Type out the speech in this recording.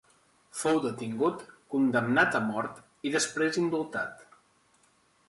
Fou detingut, condemnat a mort i després indultat.